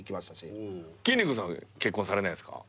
きんに君さん結婚されないんすか？